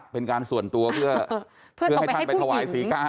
เป็นการส่วนตัวเพื่อให้ท่านไปถวายศรีกา